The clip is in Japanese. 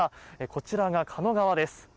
こちらが狩野川です。